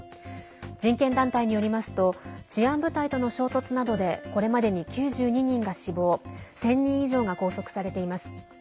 人権団体によりますと治安部隊との衝突などでこれまでに９２人が死亡１０００人以上が拘束されています。